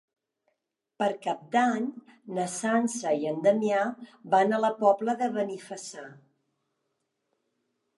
Per Cap d'Any na Sança i en Damià van a la Pobla de Benifassà.